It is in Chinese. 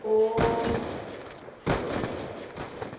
兼工诗文。